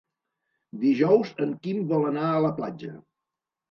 Dijous en Quim vol anar a la platja.